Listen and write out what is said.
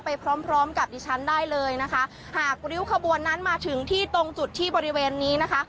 พร้อมพร้อมกับดิฉันได้เลยนะคะหากริ้วขบวนนั้นมาถึงที่ตรงจุดที่บริเวณนี้นะคะ